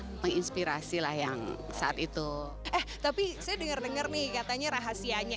menjadi menginspirasilah yang saat itu tapi saya dengar dengar nih katanya rahasianya